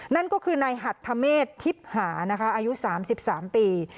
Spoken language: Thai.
นั่นก็คือนายหัทธเมษทิพย์หานะคะอายุ๓๓ปี